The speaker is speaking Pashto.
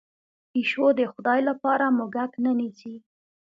پیشو د خدای لپاره موږک نه نیسي.